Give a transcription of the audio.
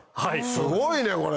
すごいねこれ。